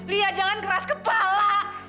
lia jangan keras kepala